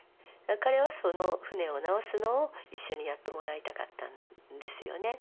彼はその船を直すのを一緒にやってもらいたかったんですよね。